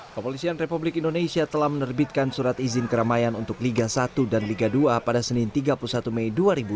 kepolisian republik indonesia telah menerbitkan surat izin keramaian untuk liga satu dan liga dua pada senin tiga puluh satu mei dua ribu dua puluh